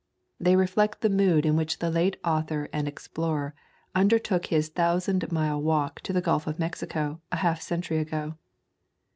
They reflect the mood in which the late author and explorer undertook his thousand mile walk to the Gulf of Mexico a half century ago.